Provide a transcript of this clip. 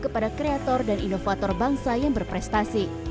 kepada kreator dan inovator bangsa yang berprestasi